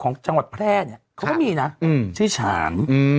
จังหวัดแพร่เนี่ยเขาก็มีนะชื่อฉาน